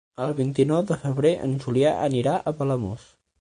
El vint-i-nou de febrer en Julià anirà a Palamós.